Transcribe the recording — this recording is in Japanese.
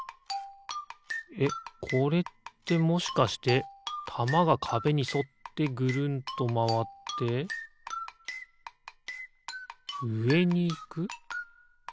えっこれってもしかしてたまがかべにそってぐるんとまわってうえにいく？